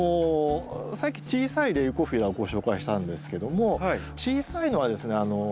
さっき小さいレウコフィラをご紹介したんですけども小さいのはですね